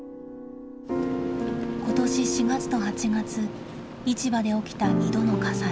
今年４月と８月市場で起きた２度の火災。